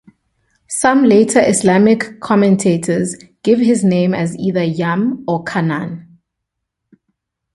Some later Islamic commentators give his name as either "Yam" or "Kan'an".